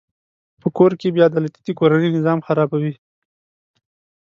په کور کې بېعدالتي د کورنۍ نظام خرابوي.